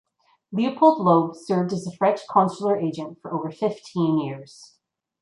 Leopold Loeb served as the French Consular Agent for over fifteen years.